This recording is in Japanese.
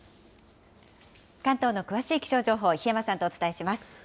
関東の詳しい気象情報、檜山さんとお伝えします。